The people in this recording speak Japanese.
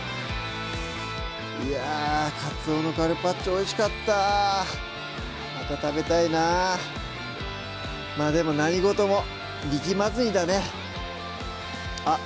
いやぁ「カツオのカルパッチョ」おいしかったまた食べたいなまぁでも何事も力まずにだねあっ